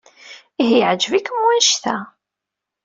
Ihi yeɛjeb-ikem wanect-a?